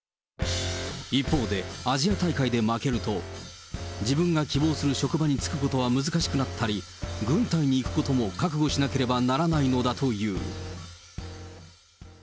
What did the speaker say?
一方で、アジア大会で負けると、自分が希望する職場に就くことは難しくなったり、軍隊に行くことも覚悟しなければならないのだという。